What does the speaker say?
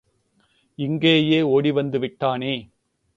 இங்கேயே ஓடிவந்து விட்டானே!